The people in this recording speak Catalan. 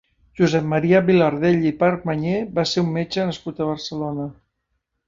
Josep Maria Vilardell i Permanyer va ser un metge nascut a Barcelona.